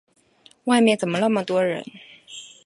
外面怎么那么多人？